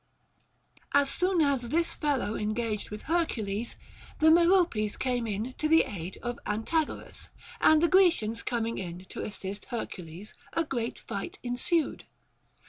As soon as this fellow engaged with Her cules, the Meropes came in to the aid of Antagoras ; and the Grecians coming in to assist Hercules, a great fight ensued.